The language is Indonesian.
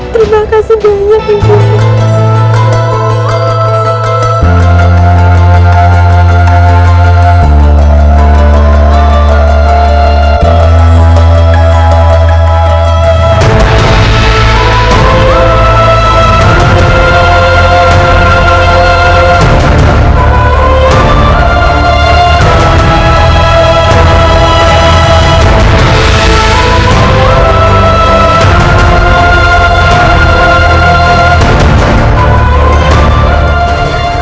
terima kasih banyak ibu nang